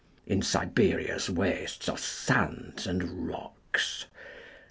In Siberia's wastesAre sands and rocks.